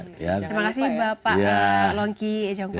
terima kasih mbak pak longki ejonggola